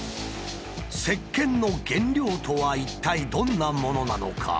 せっけんの原料とは一体どんなものなのか？